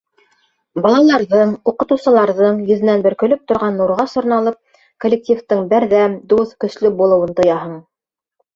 Балаларҙың, уҡытыусыларҙың йөҙөнән бөркөлөп торған нурға сорналып, коллективтың берҙәм, дуҫ, көслө булыуын тояһың.